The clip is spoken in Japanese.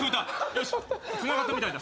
よしつながったみたいだ。